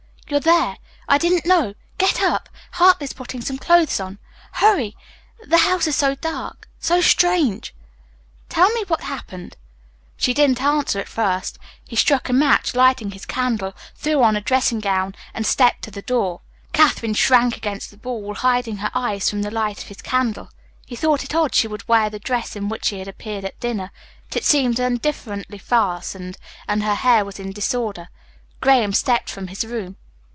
"You're there. I didn't know. Get up. Hartley's putting some clothes on. Hurry! The house is so dark so strange." "Tell me what's happened." She didn't answer at first. He struck a match, lighted his candle, threw on a dressing gown, and stepped to the door. Katherine shrank against the wall, hiding her eyes from the light of his candle. He thought it odd she should wear the dress in which she had appeared at dinner. But it seemed indifferently fastened, and her hair was in disorder. Graham stepped from his room.